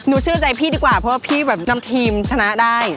เชื่อใจพี่ดีกว่าเพราะว่าพี่แบบนำทีมชนะได้